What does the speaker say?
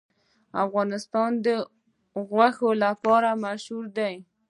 افغانستان د غوښې لپاره مشهور دی.